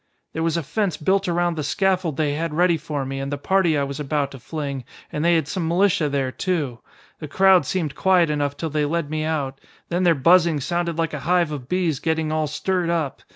"There was a fence built around the scaffold they had ready for me and the party I was about to fling, and they had some militia there, too. The crowd seemed quiet enough till they led me out. Then their buzzing sounded like a hive of bees getting all stirred up.